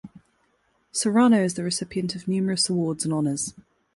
Serrano is the recipient of numerous awards and honors.